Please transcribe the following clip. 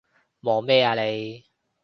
望咩啊你？